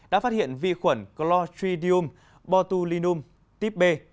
đã phát hiện vi khuẩn clostridium botulinum type b